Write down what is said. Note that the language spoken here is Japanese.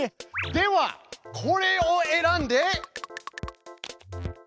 ではこれを選んで。